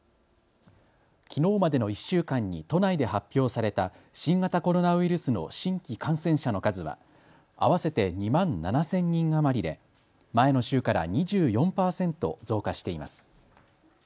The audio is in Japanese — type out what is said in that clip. きのうまでの１週間に都内で発表された新型コロナウイルスの新規感染者の数は合わせて２万７０００人余りで前の週から２４％増加しています。